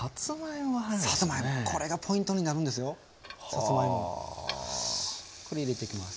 さつまいもこれ入れていきます。